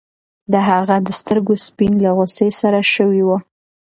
د هغه د سترګو سپین له غوسې سره شوي وو.